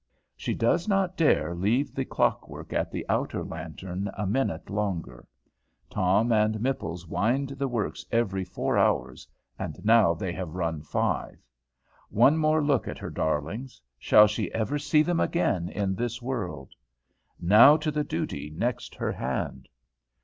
She does not dare leave the clock work at the outer lantern a minute longer. Tom and Mipples wind the works every four hours, and now they have run five. One more look at her darlings. Shall she ever see them again in this world? Now to the duty next her hand!